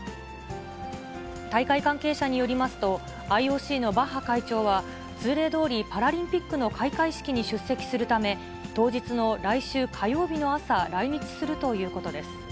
大会関係者によりますと、ＩＯＣのバッハ会長は、通例どおりパラリンピックの開会式に出席するため、当日の来週火曜日の朝、来日するということです。